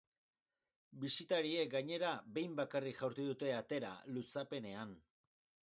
Bisitariek, gainera, behin bakarrik jaurti dute atera, luzapenean.